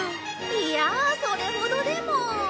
いやあそれほどでも。